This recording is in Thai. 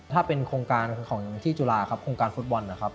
ถ้าเป็นโครงการของที่จุฬาครับโครงการฟุตบอลนะครับ